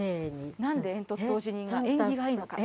なんで煙突掃除人が縁起がいいのか。